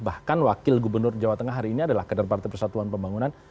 bahkan wakil gubernur jawa tengah hari ini adalah kader partai persatuan pembangunan